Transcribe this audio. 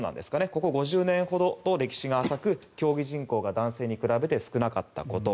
ここ５０年程と歴史が浅く競技人口が男性に比べて少なかったこと。